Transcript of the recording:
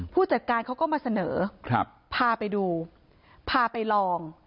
ผู้จัดการเขาก็มาเสนอพาไปดูพาไปลอง